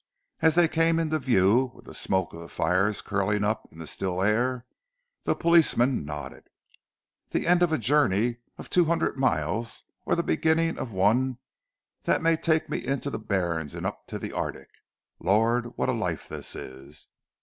As they came into view, with the smoke of the fires curling upward in the still air, the policeman nodded. "The end of a journey of two hundred miles; or the beginning of one that may take me into the Barrens, and up to the Arctic. Lord, what a life this is!"